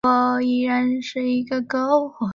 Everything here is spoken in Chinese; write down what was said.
赶快来吃钩